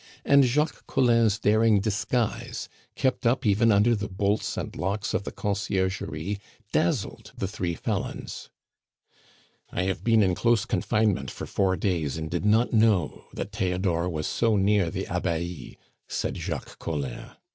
And Jacques Collin's daring disguise, kept up even under the bolts and locks of the Conciergerie, dazzled the three felons. "I have been in close confinement for four days and did not know that Theodore was so near the Abbaye," said Jacques Collin.